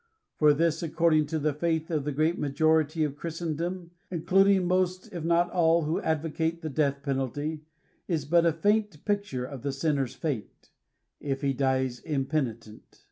For this, according to the faith of the great majority of Christendom, including most if not all who advo cate the penalty of death, is but a faint picture of the sinner^s fate, if he dies impenitent.